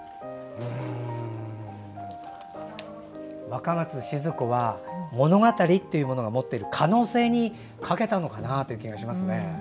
若松賤子は物語というものが持っている可能性にかけたのかなという気がしますね。